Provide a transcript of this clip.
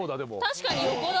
確かに横だ。